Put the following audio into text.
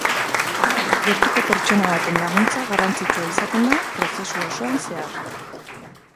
Gertuko pertsona baten laguntza garrantzitsua izaten da prozesu osoan zehar.